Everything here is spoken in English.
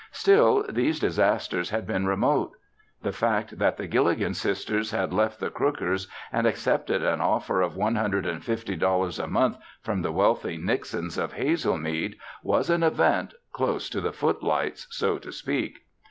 Still, these disasters had been remote. The fact that the Gilligan sisters had left the Crookers and accepted an offer of one hundred and fifty dollars a month from the wealthy Nixons of Hazelmead was an event close to the footlights, so to speak.